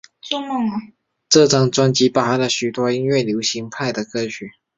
这张专辑包含了许多音乐流派的歌曲。